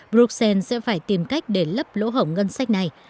bruxelles sẽ phải tìm cách để lấp lỗ hổng ngân sách này